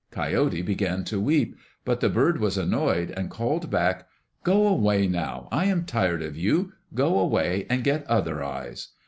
Coyote began to weep. But the bird was annoyed, and called back, "Go away now. I am tired of you. Go away and get other eyes."